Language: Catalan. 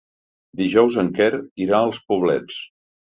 Dijous en Quer irà als Poblets.